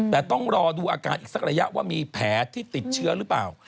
แต่ต้องรอดูอาการอีกสักระยะว่ามีแผลที่ติดเชื้อหรือเปล่า